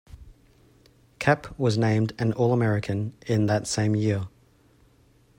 Kapp was named an All-American in that same year.